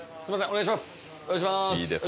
お願いします